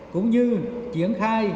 cũng như triển khai